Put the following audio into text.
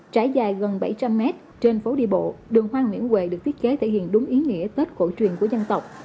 trải dài gần bảy trăm linh mét trên phố đi bộ đường hoa nguyễn huệ được thiết kế thể hiện đúng ý nghĩa tết cổ truyền của dân tộc